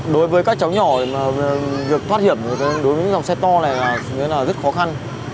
đối với các cháu nhỏ được thoát hiểm đối với dòng xe to này rất khó khăn